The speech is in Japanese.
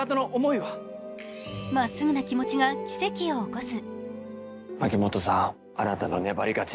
まっすぐな気持ちが奇跡を起こす。